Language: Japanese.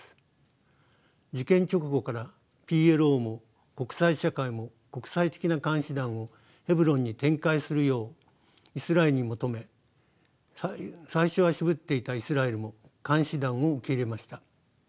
事件直後からＰＬＯも国際社会も国際的な監視団をヘブロンに展開するようイスラエルに求め最初は渋っていたイスラエルも監視団を受け入れました。